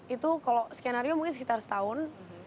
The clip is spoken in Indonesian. itu kalau skenario mungkin sekitar setahun